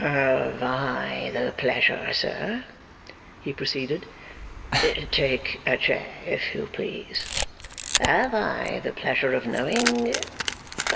'Have I the pleasure, sir,' he proceeded 'take a chair, if you please have I the pleasure of knowing